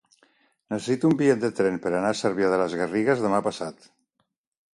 Necessito un bitllet de tren per anar a Cervià de les Garrigues demà passat.